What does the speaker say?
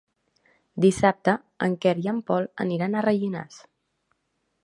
Dissabte en Quer i en Pol aniran a Rellinars.